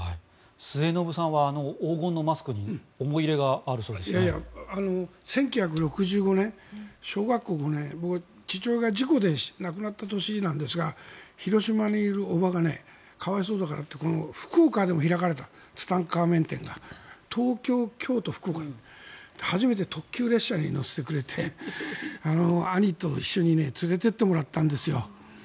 末延さんはあの黄金のマスクに１９６５年小学校５年、父親が事故で亡くなった年なんですが広島にいる、おばが可哀想だからってこの福岡でも開かれたツタンカーメン展があって初めて特急列車に乗せてくれて兄と一緒に連れていってもらったんですよ。